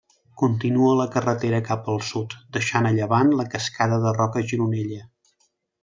Continua la carretera cap al sud, deixant a llevant la Cascada de Roca Gironella.